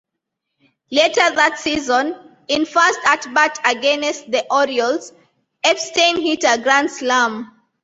Later that season, in first at-bat against the Orioles, Epstein hit a grand slam.